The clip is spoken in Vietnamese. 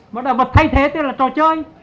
mà là vật thay thế tức là trò chơi